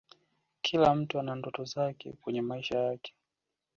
kila mtu ana ndoto zake kwenye maisha